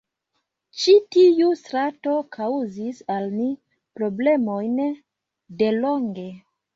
Ĉi tiu strato kaŭzis al ni problemojn delonge.